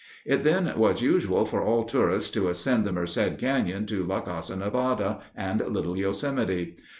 It then was usual for all tourists to ascend the Merced Canyon to La Casa Nevada and Little Yosemite.